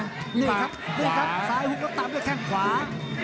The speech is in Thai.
นี่ครับนี่ครับซ้ายหุบแล้วตามด้วยแข้งขวา